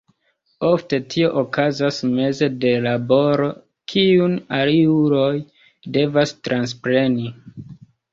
Ofte tio okazas meze de laboro, kiun aliuloj devas transpreni.